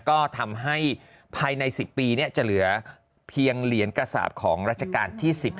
ก็ทำให้ภายใน๑๐ปีจะเหลือเพียงเหรียญกระสาปของรัชกาลที่๑๐